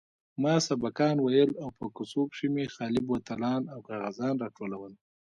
ما سبقان ويل او په کوڅو کښې مې خالي بوتلان او کاغذان راټولول.